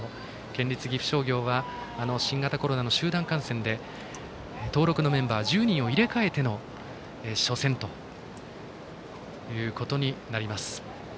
県立岐阜商業は新型コロナの集団感染で登録のメンバー１０人を入れ替えての初戦ということになります。